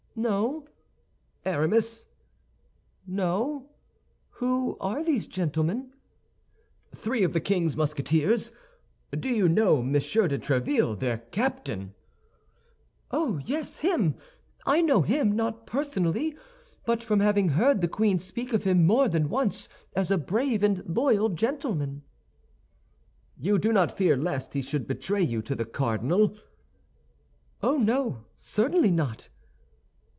"No." "Aramis?" "No. Who are these gentleman?" "Three of the king's Musketeers. Do you know Monsieur de Tréville, their captain?" "Oh, yes, him! I know him; not personally, but from having heard the queen speak of him more than once as a brave and loyal gentleman." "You do not fear lest he should betray you to the cardinal?" "Oh, no, certainly not!"